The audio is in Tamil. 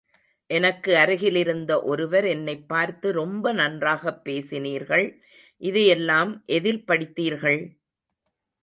எனக்கு அருகிலிருந்த ஒருவர் என்னைப் பார்த்து, ரொம்ப நன்றாகப் பேசினீர்கள், இதையெல்லாம் எதில் படித்தீர்கள்?